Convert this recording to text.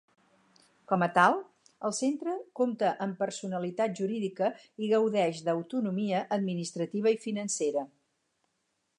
Com a tal, el centre compta amb personalitat jurídica i gaudeix d'autonomia administrativa i financera.